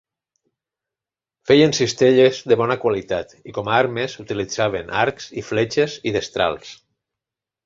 Feien cistelles de bona qualitat, i com a armes utilitzaven arcs i fletxes i destrals.